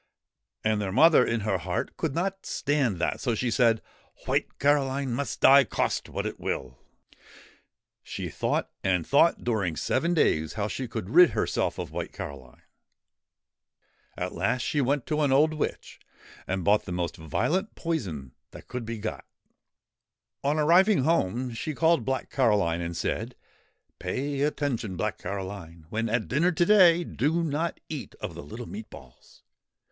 And their mother, in her heart, could not stand that, so she said :' White Caroline must die, cost what it will/' She thought and thought during seven days how she could rid herself of White Caroline. At last she went to an old witch, and bought the most violent poison that could be got. On arriving home she called Black Caroline and said :' Pay attention, Black Caroline ; when at dinner to day, do not eat of the little meat balls.